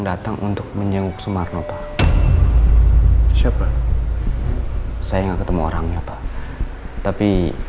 datang untuk menjenguk sumarno pak siapa saya nggak ketemu orangnya pak tapi